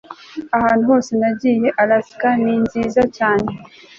ahantu hose nagiye, alaska ninziza cyane